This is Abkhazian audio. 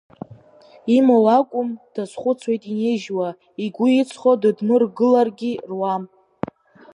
Имоу акәым, дазхәыцуеит инижьуа, игәы иҵхо дыдмыргыларгьы руам.